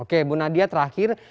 oke bu nadia terakhir